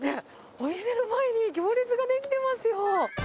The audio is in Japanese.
お店の前に行列が出来てますよ。